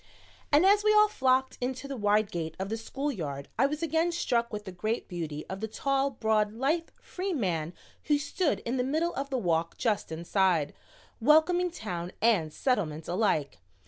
And as we all flocked into the wide gate of the school yard I was again struck with the great beauty of the tall, broad, lithe, free man who stood in the middle of the walk just inside, welcoming Town and Settlement alike.